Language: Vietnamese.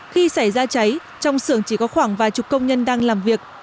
khi xảy ra cháy trong xưởng chỉ có khoảng vài chục công nhân đang làm việc